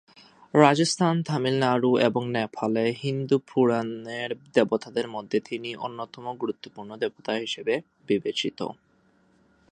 রাজস্থান, তামিলনাড়ু এবং নেপালে হিন্দু পুরাণের দেবতাদের মধ্যে তিনি অন্যতম গুরুত্বপূর্ণ দেবতা হিসেবে বিবেচিত।